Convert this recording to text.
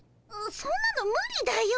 そんなの無理だよ。